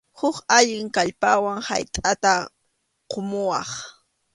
Huk allin kallpawan haytʼata qumuwan.